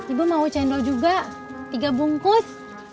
ibu mau cendol juga tiga bungkus